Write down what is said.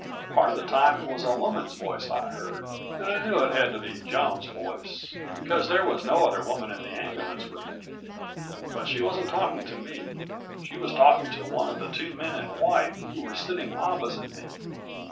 Part of the time it was a woman's voice I heard and I knew it had to be Joan's voice, because there was no other woman in the ambulance with me. But she wasn't talking to me. She was talking to one of the two men in white who were sitting opposite me.